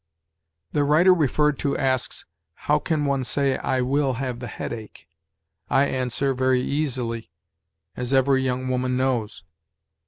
The writer referred to asks, "How can one say, 'I will have the headache'?" I answer, Very easily, as every young woman knows.